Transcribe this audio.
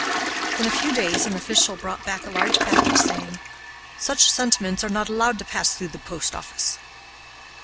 In a few days an official brought back a large package, saying, "Such sentiments are not allowed to pass through the post office."